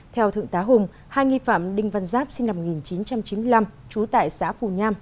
theo thượng tá hùng hai nghi phạm đinh văn giáp sinh năm một nghìn chín trăm chín mươi năm trú tại xã phù nham